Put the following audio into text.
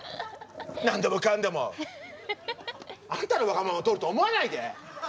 何でもかんでも！あんたのわがまま通ると思わないで！